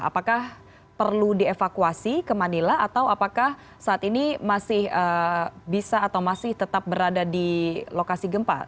apakah perlu dievakuasi ke manila atau apakah saat ini masih bisa atau masih tetap berada di lokasi gempa